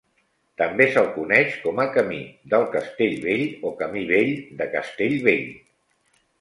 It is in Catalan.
També se'l coneix com a Camí de Castellvell o Camí vell de Castellvell.